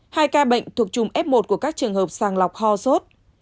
hai ca bệnh thuộc chùm f một của các trường hợp sàng lọc ho sốt